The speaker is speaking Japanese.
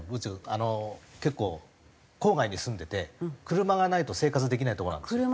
あの結構郊外に住んでて車がないと生活できない所なんですよ。